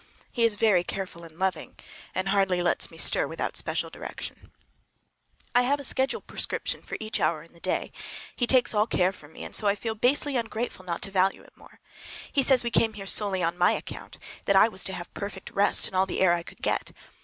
He is very careful and loving, and hardly lets me stir without special direction. I have a schedule prescription for each hour in the day; he takes all care from me, and so I feel basely ungrateful not to value it more. He said we came here solely on my account, that I was to have perfect rest and all the air I could get.